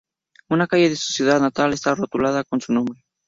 Una calle en su ciudad natal está rotulada con su nombre.